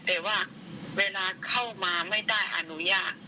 แต่ว่าเวลาเข้ามาไม่ได้อนุญาต